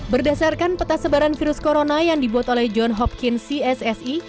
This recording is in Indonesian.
berdasarkan peta sebaran virus corona yang dibuat oleh john hopkin cssi